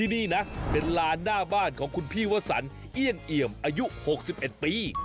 นี่นะเป็นลานหน้าบ้านของคุณพี่วสันเอี่ยงเอี่ยมอายุ๖๑ปี